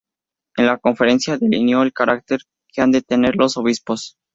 En la conferencia, delineó el carácter que han de tener los obispos.